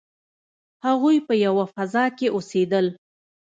هغوی په یوه فضا کې اوسیدل.